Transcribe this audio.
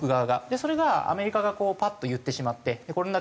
それがアメリカがパッと言ってしまってこれだけ。